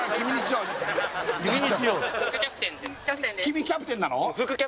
君キャプテンなの？